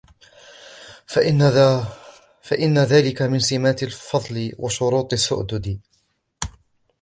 فَإِنَّ ذَلِكَ مِنْ سِمَاتِ الْفَضْلِ وَشُرُوطِ السُّؤْدُدِ